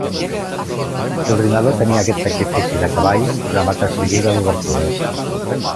L'ordinador tenia aquest sacrifici de cavall programat al seu llibre d'obertures.